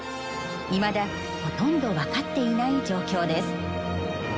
いまだほとんど分かっていない状況です。